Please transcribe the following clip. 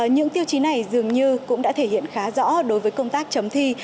những tiêu chí này dường như cũng đã thể hiện khá rõ đối với công tác chấm thi